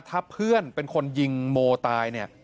ถ้าเพื่อนเป็นคนยิงโมตายเนี่ย